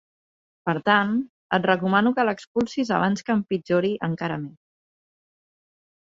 Per tant, et recomano que l'expulsis abans que empitjori encara més.